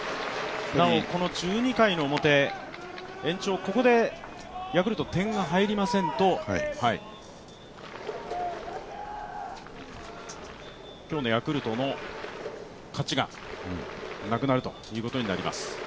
この１２回の表、延長ここでヤクルト点が入りませんと、今日のヤクルトの勝ちがなくなるということになります。